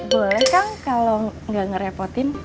boleh kank kalau gak ngerepotin